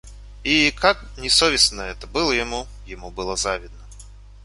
И, как ни совестно это было ему, ему было завидно.